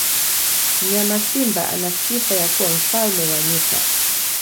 mnyama simba ana sifa ya kuwa mfalme wa nyika